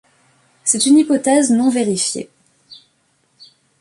C'est une hypothèse non vérifiée.